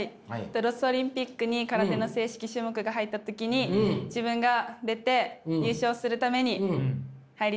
ロスオリンピックに空手の正式種目が入った時に自分が出て優勝するために入りたいです。